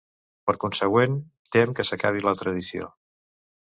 Per consegüent, tem que s'acabi la tradició.